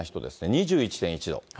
２１．１度。